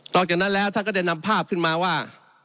หลังจากนั้นแล้วท่านก็ได้นำภาพขึ้นมาว่า